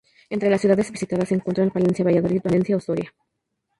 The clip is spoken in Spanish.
Entre las ciudades visitadas se encuentran: Palencia, Valladolid, Valencia o Soria.